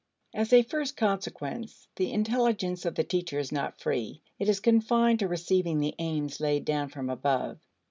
As a first consequence, the intelligence of the teacher is not free; it is confined to receiving the aims laid down from above.